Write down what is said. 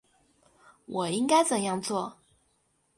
我应该怎样做？